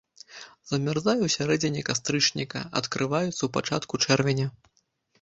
Замярзае ў сярэдзіне кастрычніка, адкрываецца ў пачатку чэрвеня.